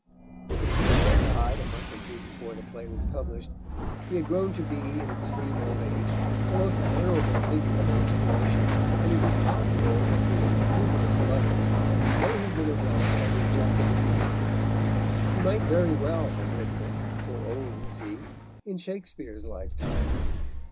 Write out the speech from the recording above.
The Duke had died a month or two before the play was published; he had grown to be, in extreme old age, the most venerable figure of the Restoration, and it is possible that the Humorous Lovers may have been a relic of his Jacobean youth. He might very well have written it, so old was he, in Shakespeare's lifetime.